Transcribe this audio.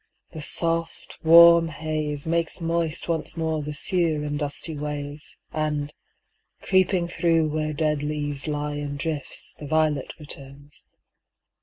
The soft, warm haze Makes moist once more the sere and dusty ways, And, creeping through where dead leaves lie in drifts, The violet returns.